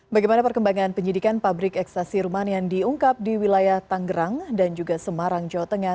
bagaimana perkembangan penyidikan pabrik ekstasi ruman yang diungkap di wilayah tanggerang dan juga semarang jawa tengah